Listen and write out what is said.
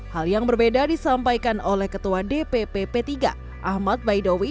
hal yang berbeda disampaikan oleh ketua dpp p tiga ahmad baidowi